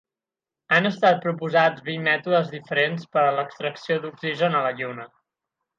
Han estat proposats vint mètodes diferents per a l'extracció d'oxigen a la Lluna.